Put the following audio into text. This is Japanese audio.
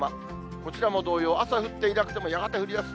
こちらも同様、朝降っていなくてもやがて降りだす。